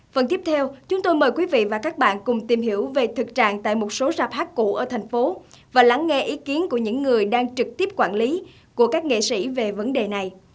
phần tiếp theo chúng tôi mời quý vị và các bạn cùng tìm hiểu về thực trạng tại một số sạp hát cũ ở thành phố và lắng nghe ý kiến của những người đang trực tiếp quản lý của các nghệ sĩ về vấn đề này